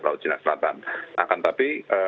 laut cina selatan akan tapi